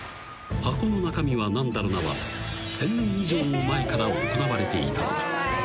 「箱の中身はなんだろな？」は１，０００年以上も前から行われていたのだ］